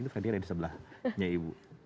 itu ferdier ada di sebelahnya ibu